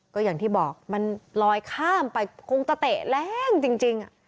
ก็อย่างที่บอกมันลอยข้ามไปคงจะเตะแรงจริง